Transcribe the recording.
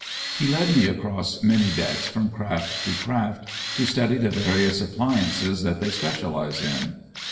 He led me across many decks from craft to craft to study the various appliances that they specialize in.